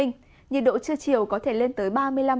nhiệt độ trưa chiều có thể lên tới